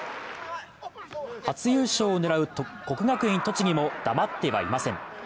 初優勝を狙う国学院栃木も黙ってはいません。